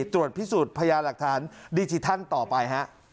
ตรวจพิสูจน์พยาหลักฐานดิจิทัลต่อไปฮะ